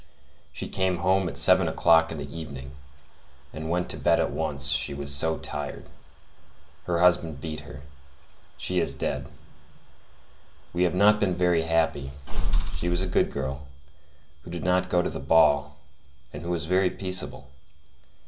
She came home at seven o'clock in the evening, and went to bed at once, she was so tired. Her husband beat her. She is dead. We have not been very happy. She was a good girl, who did not go to the ball, and who was very peaceable.